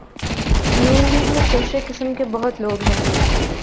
ن لیگ میں شوشے قسم کے بہت لوگ ہیں۔